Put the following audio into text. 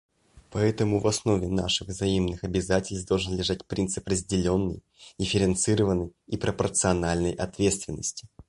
Поэтому в основе наших взаимных обязательств должен лежать принцип разделенной, дифференцированной и пропорциональной ответственности.